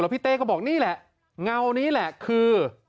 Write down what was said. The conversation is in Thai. พี่เต้ก็บอกนี่แหละเงานี้แหละคือ